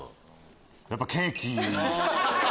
やっぱケーキ。